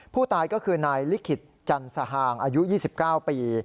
ผู้ตายก็คือนายลิขิตจันสฮางอายุ๒๙ปี